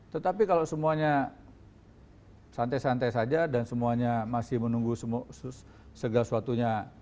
tetapi kalau semuanya santai santai saja dan semuanya masih menunggu segala suatunya